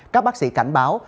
các bác sĩ cảnh báo